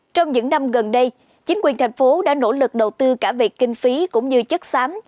trong những năm gần đây chính quyền thành phố đã nỗ lực đầu tư cả về kinh phí cũng như chất xám